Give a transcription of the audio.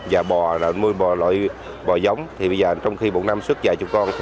và bò nuôi bò giống trong khi một năm xuất dạy chụp con